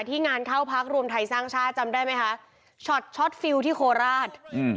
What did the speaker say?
ที่งานเข้าพักรวมไทยสร้างชาติจำได้ไหมคะช็อตช็อตฟิลที่โคราชอืม